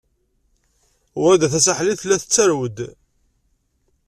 Wrida Tasaḥlit tella tettarew-d.